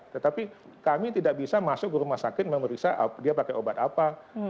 tetapi kami tidak bisa masuk ke rumah sakit memeriksa dia pakai obat apa